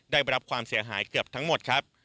ได้รับความเสียหายเกือบทั้งหมดครับ